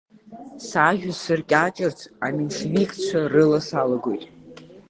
Сажәа сыркьаҿырц, аменшевикцәа рыла салагоит.